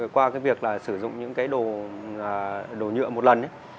qua cái việc là sử dụng những cái đồ nhựa một lần